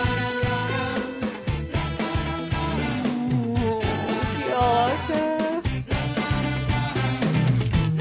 うん幸せ。